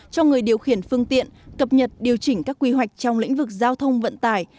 cho người điều khiển phương tiện cập nhật điều chỉnh các quy hoạch trong lĩnh vực giao thông vận tải